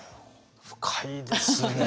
深いですね。